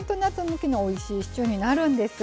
向きのおいしいシチューになるんです。